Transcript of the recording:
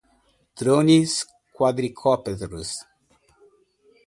Drones quadricópteros